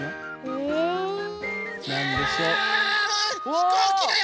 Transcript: ひこうきだよ